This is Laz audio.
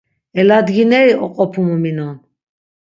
Eladgineri oqopumu minon.